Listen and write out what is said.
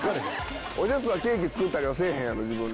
おじゃすはケーキ作ったりはせえへんやろ自分で。